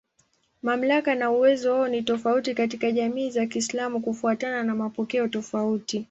Mamlaka na uwezo wao ni tofauti katika jamii za Kiislamu kufuatana na mapokeo tofauti.